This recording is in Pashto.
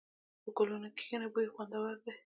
په ګلونو کښېنه، بوی یې خوندور دی.